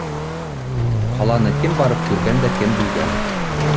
Ҡаланы кем барып күргән дә кем белгән!